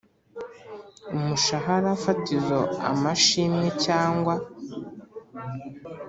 umushahara fatizo amashimwe cyangwa